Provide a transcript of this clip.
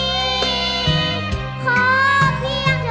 ขอเพียงจะรอ